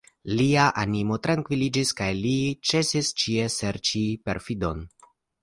Lia animo trankviliĝis, kaj li ĉesis ĉie serĉi perfidon.